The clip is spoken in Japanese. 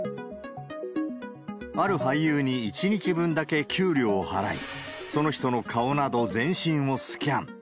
ある俳優に１日分だけ給料を払い、その人の顔など全身をスキャン。